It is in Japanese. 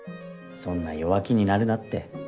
「そんな弱気になるなって」